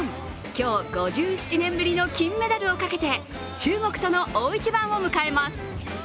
今日５７年ぶりの金メダルをかけて中国との大一番を迎えます。